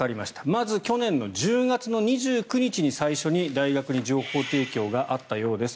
まず、去年１０月２９日に最初に大学に情報提供があったようです。